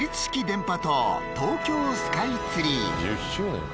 電波塔東京スカイツリー